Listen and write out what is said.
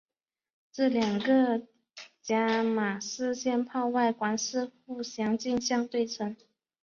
这两个伽玛射线泡外观是互相镜像对称。